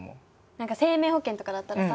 何か生命保険とかだったらさ